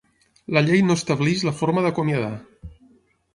La Llei no estableix la forma d'acomiadar.